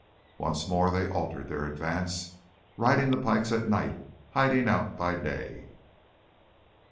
Once more they altered their advance, riding the pikes at night, hiding out by day.